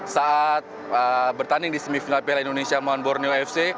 saat bertanding di semifinal piala indonesia melawan borneo fc